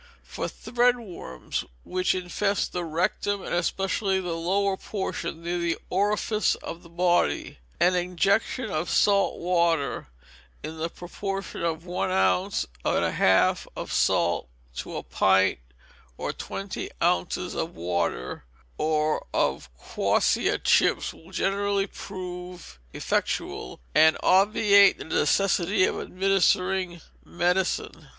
For thread worms, which infest the rectum and especially the lower portion, near the orifice of the body, an injection of salt and water, in the proportion of one ounce and a half of salt to a pint, or twenty ounces of water, or of quassia chips, will generally prove effectual, and obviate the necessity of administering medicine.